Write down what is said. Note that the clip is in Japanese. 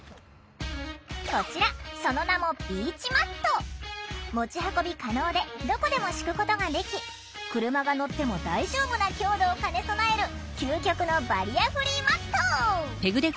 こちらその名も持ち運び可能でどこでも敷くことができ車が乗っても大丈夫な強度を兼ね備える究極のバリアフリーマット！